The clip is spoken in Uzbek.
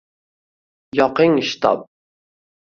«Yoqing shitob